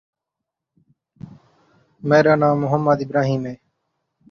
It offers undergraduate courses in arts.